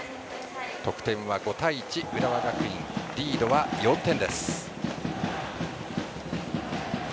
得点は５対１、浦和学院リードは４点です。